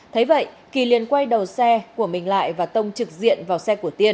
thấy vậy kỳ liền quay đầu xe của mình lại và tông trực diện vào xe của tiên